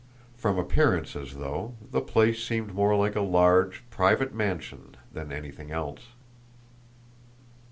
From appearances, though, the place seemed more like a large, private mansion than anything else.